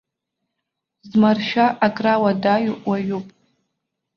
Змаршәа акра уадаҩу уаҩуп.